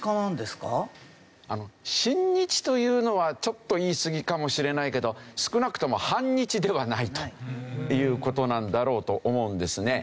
親日というのはちょっと言い過ぎかもしれないけど少なくとも反日ではないという事なんだろうと思うんですね。